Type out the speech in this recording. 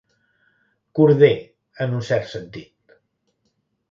Corder, en un cert sentit.